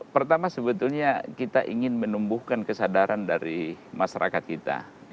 pertama sebetulnya kita ingin menumbuhkan kesadaran dari masyarakat kita